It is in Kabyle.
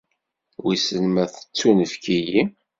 Wissen ma tettunefk-iyi?